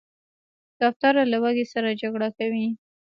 کوتره له لوږې سره جګړه کوي.